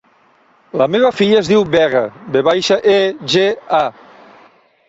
La meva filla es diu Vega: ve baixa, e, ge, a.